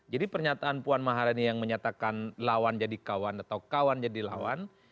jadi pernyataan puan maharani yang menyatakan lawan jadi kawan atau kawan jadi lawan